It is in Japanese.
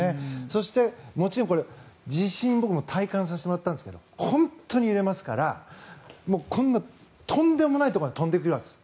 そして、もちろんこれ、地震僕も体感させてもらったんですが本当に揺れますからこんなとんでもないところに飛んでいきます。